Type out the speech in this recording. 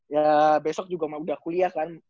ya besok juga mah udah kuliah kan